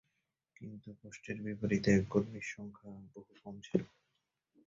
কিন্তু পোস্টের বিপরীতে কর্মীর সংখ্যা বহু কম ছিল।